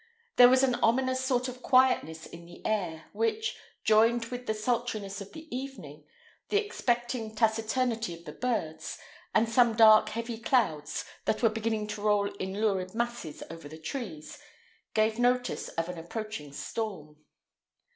There was an ominous sort of quietness in the air, which, joined with the sultriness of the evening, the expecting taciturnity of the birds, and some dark heavy clouds that were beginning to roll in lurid masses over the trees, gave notice of an approaching storm.